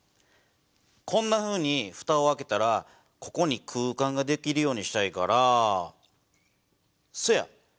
こんなふうにふたを開けたらここに空間ができるようにしたいからそうや。